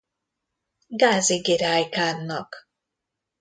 Gázi Giráj kánnak.